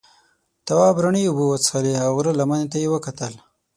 تواب رڼې اوبه وڅښلې او غره لمنې ته یې وکتل.